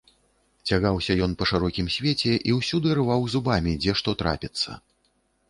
Цягаўся ён па шырокім свеце і ўсюды рваў зубамі, дзе што трапіцца.